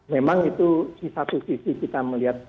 memang itu di satu sisi kita melihat